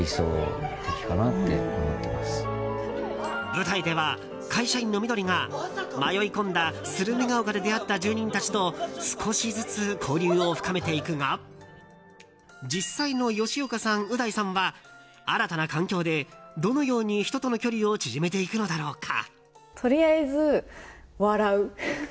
舞台では会社員の緑が迷い込んだスルメが丘で出会った住人達と少しずつ交流を深めていくが実際の吉岡さん、う大さんは新たな環境でどのように人との距離を縮めていくのだろうか。